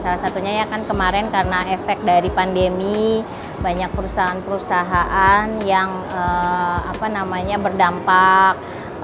salah satunya ya kan kemarin karena efek dari pandemi banyak perusahaan perusahaan yang berdampak